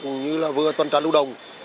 cũng như là vừa tuần trà lưu đồng